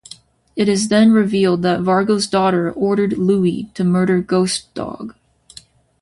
It is then revealed that Vargo's daughter ordered Louie to murder Ghost Dog.